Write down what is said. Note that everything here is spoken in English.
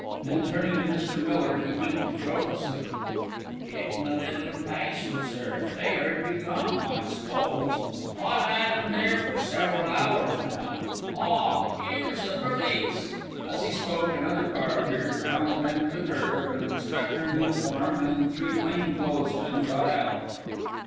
Then turning to Mr. Miller he winked jocosely. "Gettin' a bit impatient, sir. They 'eard you come, I s'pose. I've 'ad 'em there for several hours now. Ah! 'ere's the perlice!" As he spoke another car appeared round the bend of the drive, and an inspector in uniform and three plain clothes men got out.